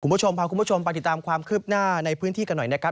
คุณผู้ชมพาคุณผู้ชมไปติดตามความคืบหน้าในพื้นที่กันหน่อยนะครับ